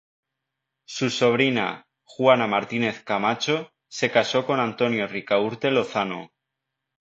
Su sobrina, Juana Martínez Camacho, se casó con Antonio Ricaurte Lozano.